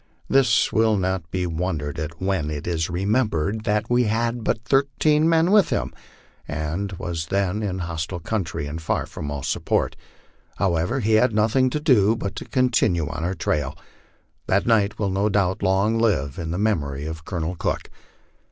This will not be wondered at when it is remembered that he had but thirteen men with him, and was then in a hostile country, and far from all support. However, he had nothing to do but to continue on our trail. That night will no doubt live long in the memory of Colonel Cook.